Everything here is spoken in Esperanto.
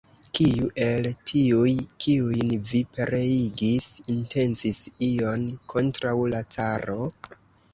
Kiu el tiuj, kiujn vi pereigis, intencis ion kontraŭ la caro?